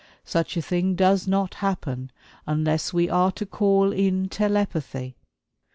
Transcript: Such a thing does not happen UNLESS WE ARE TO CALL IN TELEPATHY."